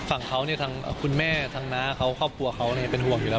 ฝั่งเขาเนี่ยทางคุณแม่ทางน้าเขาครอบครัวเขาเป็นห่วงอยู่แล้ว